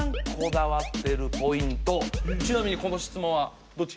ちなみにこの質問はどっち？